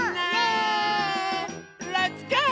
レッツゴー！